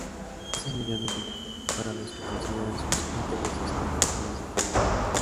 Esos millones no importan para los que consideran sus intereses como los más importantes